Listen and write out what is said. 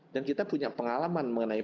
dan kita punya pengalaman mengenai